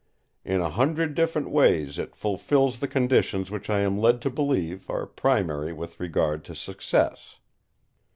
In a hundred different ways it fulfils the conditions which I am led to believe are primary with regard to success.